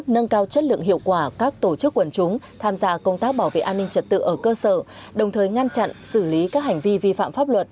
nâng cao chất lượng hiệu quả các tổ chức quần chúng tham gia công tác bảo vệ an ninh trật tự ở cơ sở đồng thời ngăn chặn xử lý các hành vi vi phạm pháp luật